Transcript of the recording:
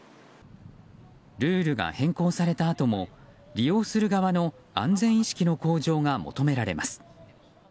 ルールが変更されたあとも利用する側の安全意識の向上が求められます。